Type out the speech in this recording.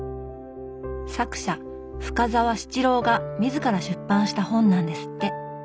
作者深沢七郎が自ら出版した本なんですって。